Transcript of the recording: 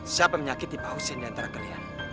siapa yang menyakiti pak hussein diantara kalian